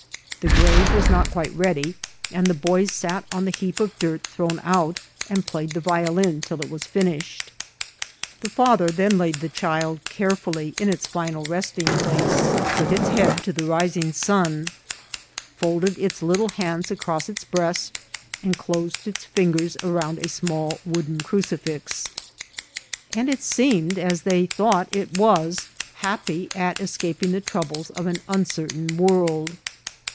The grave was not quite ready, and the boys sat on the heap of dirt thrown out, and played the violin till it was finished. The fa ther then laid the child carefully in its final resting place, with its head to the rising sun ; folded its little hands across its breast, and closed its fingers around a small wooden crucifix ; and it seemed, as they thought MANAQINO ▲ SXRTANT. it wa8| happy at escaping the troubles of an uncertain world.